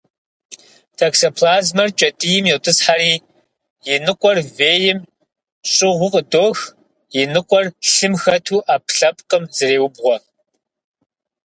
Токсоплазмэр кӏэтӏийм йотӏысхьэри, и ныкъуэр вейм щӏыгъуу къыдох, и ныкъуэр лъым хэту ӏэпкълъэпкъым зреубгъуэ.